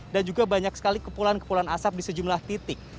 dan juga banyak sekali kepulan kepulan asap di sejumlah titik